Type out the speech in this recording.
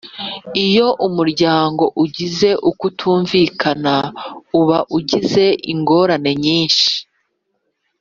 iyo umuryango ugize ukutumvikana uba ugize ingorane nyinshi